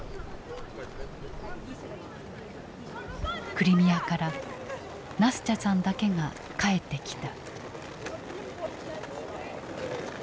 クリミアからナスチャさんだけが帰ってきた。